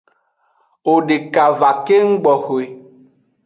Owo deke va keng gboxwe.